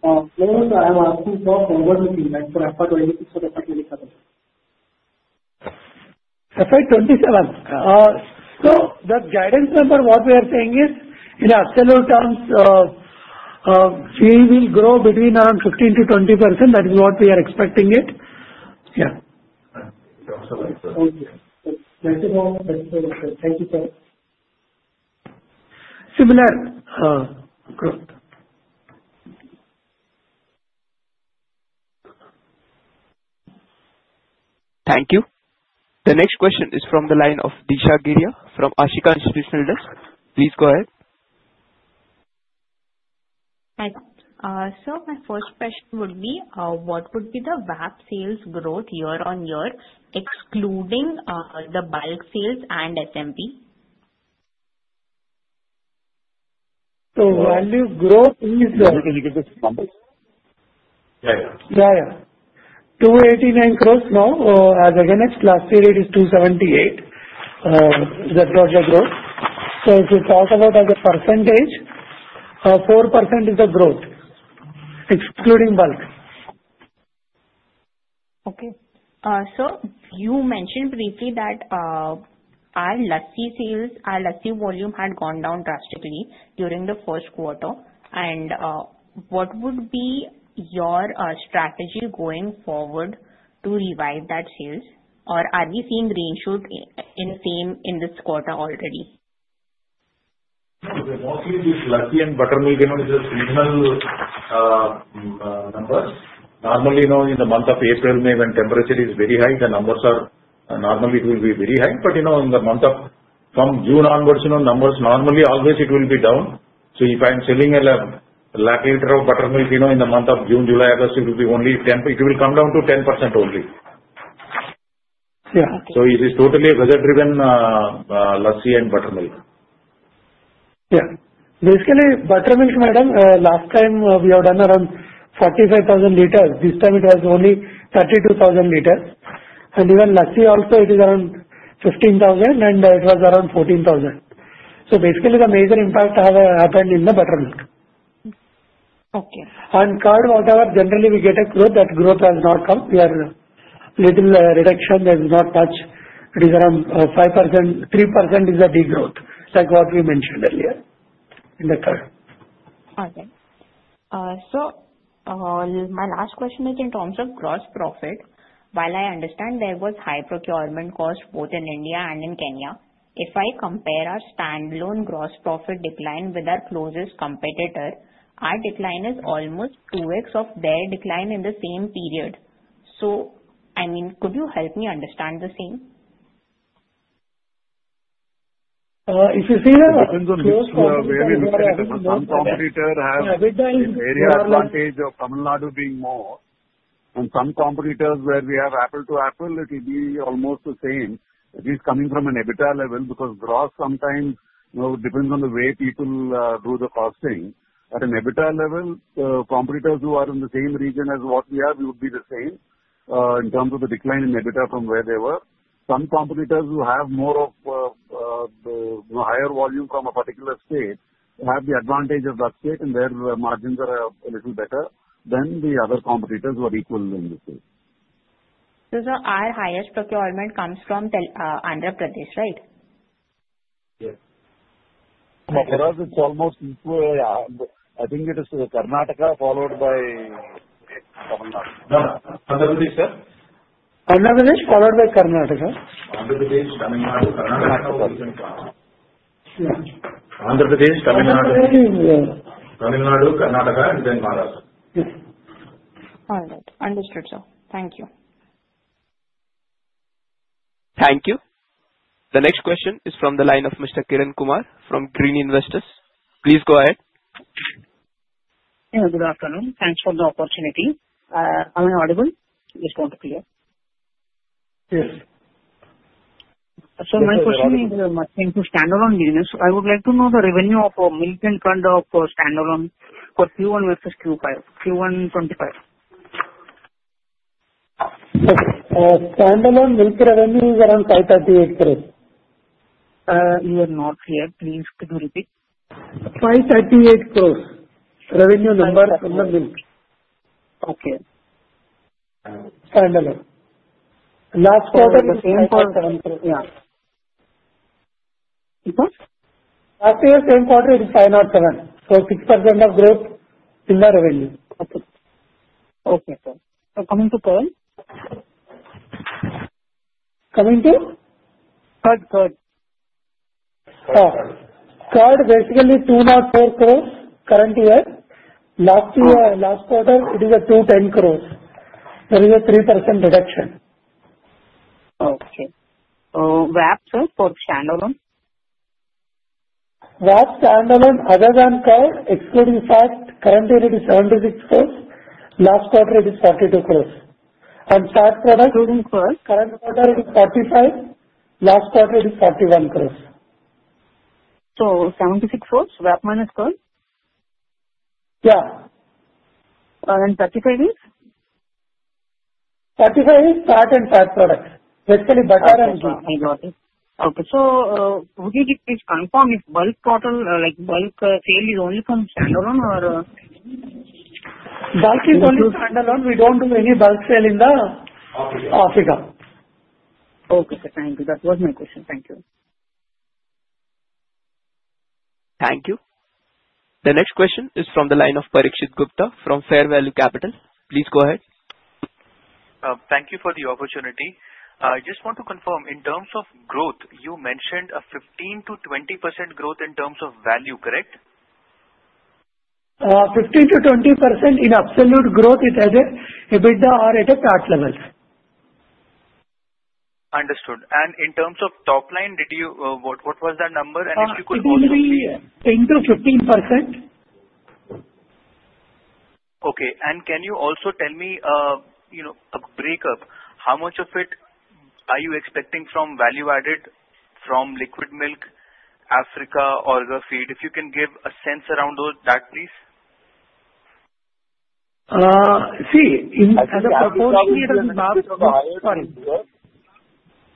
I am asking for convergence impact for FY26 or FY27? FY27. The guidance number, what we are saying is in absolute terms, we will grow between around 15%-20%. That is what we are expecting it. Yeah. Thank you so much. Thank you, sir. Similar growth. Thank you. The next question is from the line of Disha Giria from Ashika Institutional Desk. Please go ahead. Hi. So my first question would be, what would be the VAP sales growth year on year, excluding the bulk sales and SMP? Value growth is. Yeah. Yeah. INR 289 crores now. Again, last year, it is 278. That was the growth. So if you talk about as a percentage, 4% is the growth, excluding bulk. Okay. So you mentioned briefly that our lassi sales, our lassi volume had gone down drastically during the first quarter. And what would be your strategy going forward to revive that sales? Or are we seeing rebound in the same in this quarter already? Mostly, this lassi and buttermilk, it is regional numbers. Normally, in the month of April, May, when temperature is very high, the numbers are normally it will be very high. But in the month of from June onwards, numbers normally always it will be down. So if I'm selling a lakh liter of buttermilk in the month of June, July, August, it will be only 10. It will come down to 10% only. Yeah. It is totally a budget-driven lassi and buttermilk. Yeah. Basically, buttermilk, madam, last time we have done around 45,000 liters. This time, it was only 32,000 liters, and even lassi also, it is around 15,000, and it was around 14,000, so basically, the major impact happened in the buttermilk. Okay. On curd, whatever, generally, we get a growth. That growth has not come. We are little reduction. There is not much. It is around 5%. 3% is a degrowth, like what we mentioned earlier in the curd. Okay. So my last question is in terms of gross profit. While I understand there was high procurement cost both in India and in Kenya, if I compare our standalone gross profit decline with our closest competitor, our decline is almost 2X of their decline in the same period. So I mean, could you help me understand the same? If you see, it depends on the cost. Some competitors have an area advantage of Tamil Nadu being more, and some competitors where we have apple to apple, it will be almost the same, at least coming from an EBITDA level, because gross sometimes depends on the way people do the costing. At an EBITDA level, the competitors who are in the same region as what we have would be the same in terms of the decline in EBITDA from where they were. Some competitors who have more of the higher volume from a particular state have the advantage of that state, and their margins are a little better than the other competitors who are equal in this state. So sir, our highest procurement comes from Andhra Pradesh, right? Yes. For us, it's almost equal. I think it is Karnataka followed by Tamil Nadu. Andhra Pradesh, sir? Andhra Pradesh followed by Karnataka. Andhra Pradesh, Tamil Nadu, Karnataka. Andhra Pradesh, Tamil Nadu. Tamil Nadu, Karnataka, and then Maharashtra. All right. Understood, sir. Thank you. Thank you. The next question is from the line of Mr. Kiran Kumar from Green Investors. Please go ahead. Good afternoon. Thanks for the opportunity. Am I audible? Just want to clear. Yes. So my question is, thinking of standalone business, I would like to know the revenue of a milk and kind of standalone for Q1 versus Q125. Standalone milk revenue is around 538 crores. You are not hear. Please could you repeat? 538 crores. Revenue number from the milk. Okay. Standalone. Last quarter is the same for. Yeah. What? Last year, same quarter, it is 507. So 6% of growth in the revenue. Okay. Okay, sir. So coming to curd? Coming to? Curd, curd. Curd basically 204 crores current year. Last quarter, it is 210 crores. There is a 3% reduction. Okay, so VAP, sir, for standalone? VAP, standalone, other than curd, excluding fat, currently it is INR 76 crores. Last quarter, it is 42 crores. And fat product. Excluding fat. Current quarter, it is 45. Last quarter, it is 41 crores. So 76 crores? VAP minus curd? Yeah. 35 is? 35 is fat and fat products. Basically, butter and ghee. Okay, so would you please confirm if total bulk sale is only from standalone or? Bulk is only standalone. We don't do any bulk sale in the. Africa. Okay. Thank you. That was my question. Thank you. Thank you. The next question is from the line of Parikshit Gupta from Fair Value Capital. Please go ahead. Thank you for the opportunity. I just want to confirm, in terms of growth, you mentioned a 15%-20% growth in terms of value, correct? 15%-20% in absolute growth, it is EBITDA or at a PAT level. Understood. And in terms of top line, what was that number? And if you could also give me. It is usually 10%-15%. Okay. Can you also tell me a break-up? How much of it are you expecting from value added, from Liquid Milk, Africa, Orgafeed? If you can give a sense around that, please. See, in the proportion it is not. I think Africa is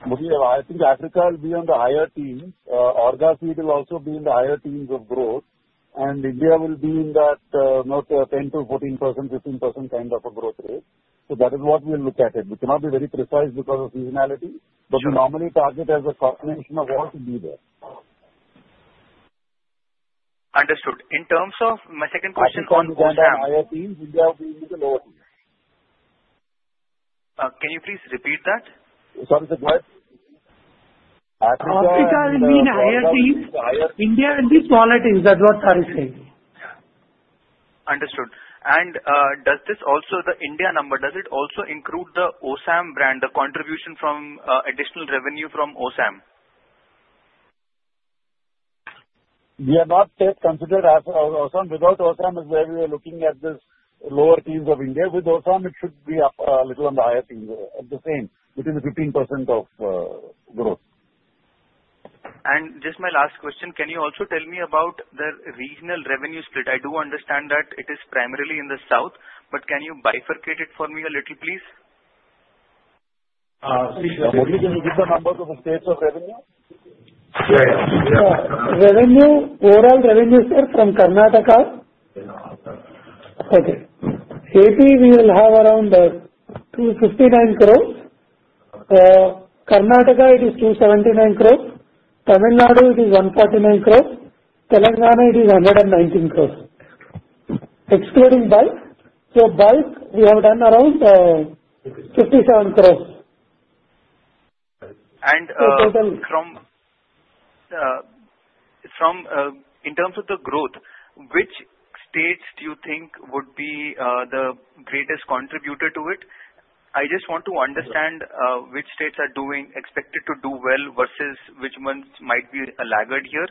on the higher teens. Sorry. I think Africa will be on the higher teens. Orgafeed will also be in the higher teens of growth. And India will be in that 10%-14%, 15% kind of a growth rate. So that is what we'll look at it. We cannot be very precise because of seasonality. But we normally target as a calculation overall to be there. Understood. In terms of my second question was. On higher teams, India will be in the lower teams. Can you please repeat that? Sorry, go ahead. Africa will be in the higher teens. India will be smaller teens. That's what I was saying. Understood. And does this also the India number, does it also include the Osam brand, the contribution from additional revenue from Osam? We are not considering Osam. Without Osam is where we are looking at the lower tier markets of India. With Osam, it should be a little on the higher tier markets at the same, between the 15% of growth. And just my last question, can you also tell me about the regional revenue split? I do understand that it is primarily in the south, but can you bifurcate it for me a little, please? See, can you give the numbers of the states of revenue? Yeah. Overall revenue, sir, from Karnataka. Okay. VAP, we will have around 59 crores. Karnataka, it is 279 crores. Tamil Nadu, it is 149 crores. Telangana, it is 119 crores. Excluding bulk. So bulk, we have done around 57 crores. In terms of the growth, which states do you think would be the greatest contributor to it? I just want to understand which states are expected to do well versus which ones might be laggard here.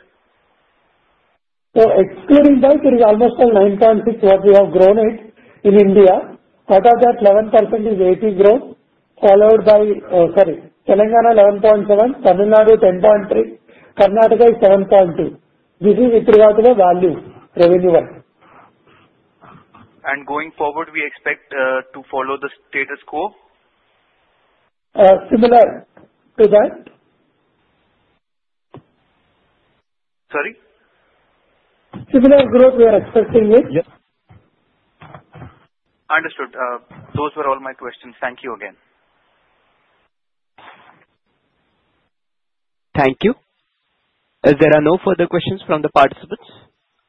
So excluding bulk, it is almost 9.6% what we have grown it in India. Out of that, 11% is AP growth, followed by, sorry, Telangana 11.7%, Tamil Nadu 10.3%, Karnataka is 7.2%. This is with regard to the value, revenue-wise. Going forward, we expect to follow the status quo? Similar to that. Sorry? Similar growth we are expecting it. Understood. Those were all my questions. Thank you again. Thank you. There are no further questions from the participants.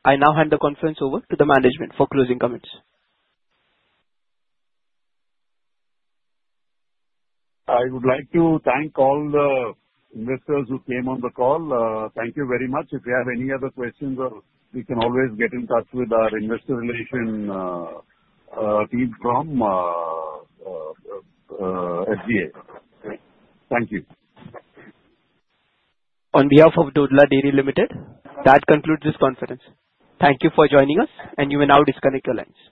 I now hand the conference over to the management for closing comments. I would like to thank all the investors who came on the call. Thank you very much. If you have any other questions, we can always get in touch with our investor relation team from SGA. Thank you. On behalf of Dodla Dairy Limited, that concludes this conference. Thank you for joining us, and you may now disconnect your lines.